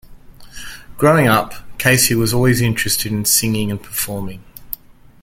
Growing up, Casey was always interested in singing and performing.